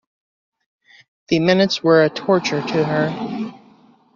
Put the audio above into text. The minutes were a torture to her.